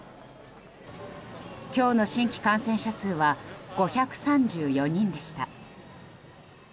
今日の新規感染者数は５３４人でした。